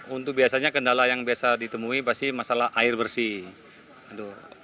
untuk biasanya kendala yang biasa ditemui pasti masalah air bersih